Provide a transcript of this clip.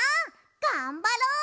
がんばろう！